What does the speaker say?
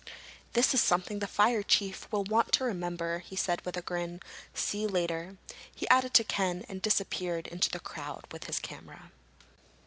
"This is something the fire chief will want to remember," he said with a grin. "See you later," he added to Ken, and disappeared into the crowd with his camera.